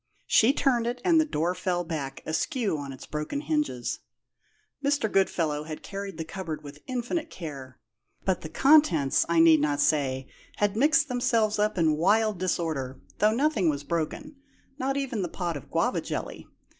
She turned it, and the door fell back, askew on its broken hinges. Mr. Goodfellow had carried the cupboard with infinite care, but the contents, I need not say, had mixed themselves up in wild disorder, though nothing was broken not even the pot of guava jelly.